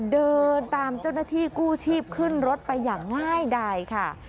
เดินตามเจ้าหน้าที่กู้ชีพขึ้นรถไปอย่างง่ายดายค่ะ